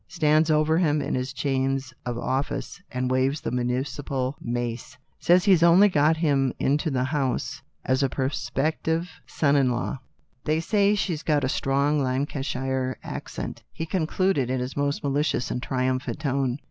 Stands over him in his chains of office and waves the municipal mace. Says he only got him into the House as a prospective son in law. They say she's got a strong Lancashire accent," he concluded in his most malicious and trium phant tone.